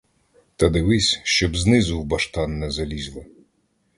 Та дивись, щоб знизу в баштан не залізли!